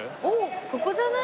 ここじゃない？